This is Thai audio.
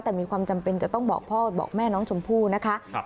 แต่มีความจำเป็นจะต้องบอกพ่อบอกแม่น้องชมพู่นะคะ